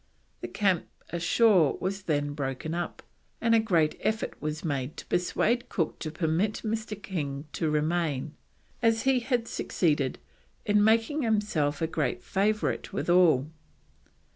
The camp ashore was then broken up, and a great effort was made to persuade Cook to permit Mr. King to remain, as he had succeeded in making himself a great favourite with all.